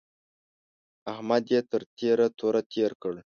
احمد يې تر تېره توره تېر کړ.